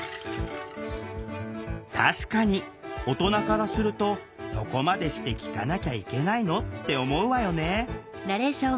確かに大人からすると「そこまでして聴かなきゃいけないの？」って思うわよね。